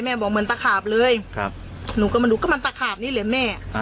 บอกเหมือนตะขาบเลยหนูก็มาดูก็มันตะขาบนี่แหละแม่